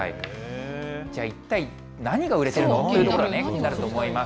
じゃあ、一体、何が売れているの？っていうところが、気になると思います。